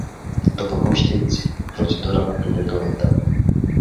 După cum știți, procedura cuprinde două etape.